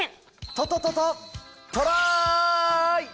トトトトトライ！